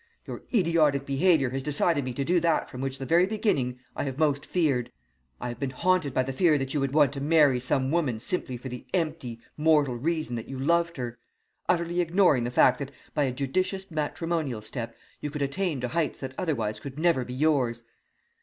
Your idiotic behaviour has decided me to do that which from the very beginning I have most feared. I have been haunted by the fear that you would want to marry some woman simply for the empty, mortal reason that you loved her, utterly ignoring the fact that by a judicious matrimonial step you could attain to heights that otherwise could never be yours.